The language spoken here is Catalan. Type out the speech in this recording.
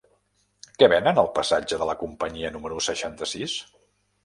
Què venen al passatge de la Companyia número seixanta-sis?